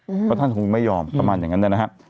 เพราะท่านคงไม่ยอมประมาณอย่างนั้นนะฮะ